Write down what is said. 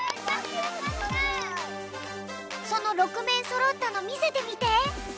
その６めんそろったのみせてみて！